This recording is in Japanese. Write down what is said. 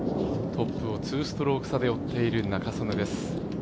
トップを２ストローク差で追っている仲宗根です。